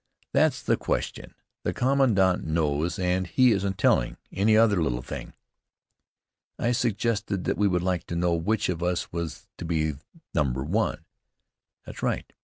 that's the question. The commandant knows, and he isn't telling. Any other little thing?" I suggested that we would like to know which of us was to be number 1. "That's right.